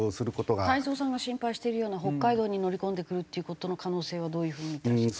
太蔵さんが心配しているような北海道に乗り込んでくるっていう事の可能性はどういう風に見てらっしゃる？